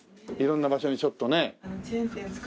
色んな場所にちょっとね。